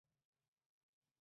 তুই এখনও মরিসনি কেন?